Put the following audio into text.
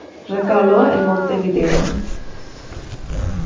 Recaló en Montevideo.